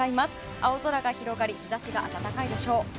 青空が広がり日差しが暖かいでしょう。